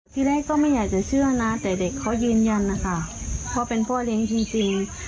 ทีแรกก็ไม่อยากจะเชื่อนะแต่เด็กเขายืนยันนะคะเขาเป็นพ่อเลี้ยงจริง